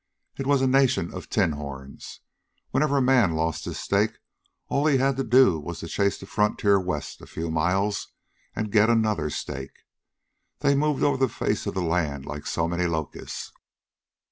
It was a nation of tin horns. Whenever a man lost his stake, all he had to do was to chase the frontier west a few miles and get another stake. They moved over the face of the land like so many locusts.